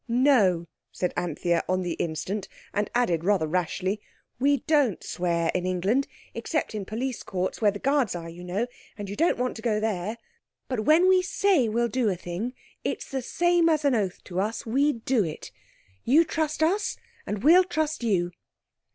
"No," said Anthea, on the instant, and added rather rashly, "We don't swear in England, except in police courts, where the guards are, you know, and you don't want to go there. But when we say we'll do a thing—it's the same as an oath to us—we do it. You trust us, and we'll trust you."